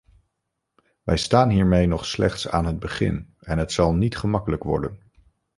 Wij staan hiermee nog slechts aan het begin en het zal niet gemakkelijk worden.